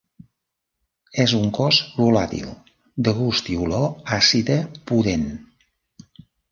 És un cos volàtil, de gust i olor àcida pudent.